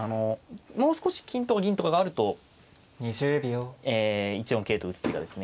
もう少し金とか銀とかがあると１四桂と打つ手がですね